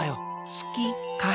すきかあ。